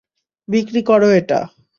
বিক্রি করো এটা।